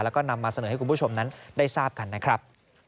แล้วก็นำมาเสนอให้คุณผู้ชมนั้นได้ทราบกันนะครับ